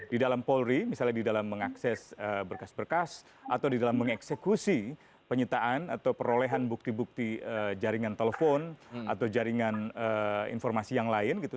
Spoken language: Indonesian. di dalam polri misalnya di dalam mengakses berkas berkas atau di dalam mengeksekusi penyitaan atau perolehan bukti bukti jaringan telepon atau jaringan informasi yang lain gitu